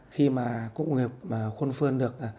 khi mà cụm công nghiệp khuôn phương được